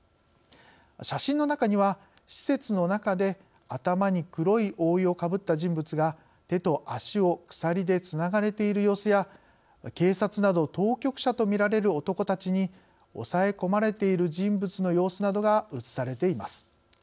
写真の中には施設の中で頭に黒い覆いをかぶった人物が手と足を鎖でつながれている様子や警察など当局者とみられる男たちに押さえ込まれている人物の様子などが写されています。